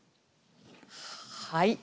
はい。